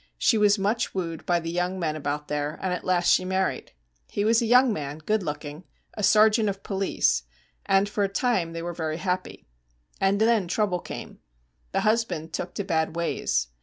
She was much wooed by the young men about there, and at last she married. He was a young man, good looking, a sergeant of police, and for a time they were very happy. And then trouble came. The husband took to bad ways.